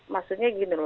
maksudnya gini loh